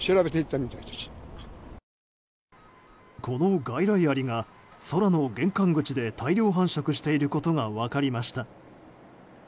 この外来アリが空の玄関口で大量繁殖していることが分かりました。